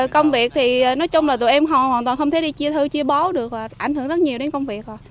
công việc thì nói chung là tụi em họ hoàn toàn không thể đi chia thư chia bó được và ảnh hưởng rất nhiều đến công việc